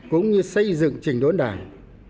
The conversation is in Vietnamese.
cũng như xây dựng trình đốn đảng